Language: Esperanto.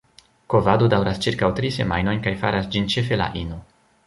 Kovado daŭras ĉirkaŭ tri semajnojn kaj faras ĝin ĉefe la ino.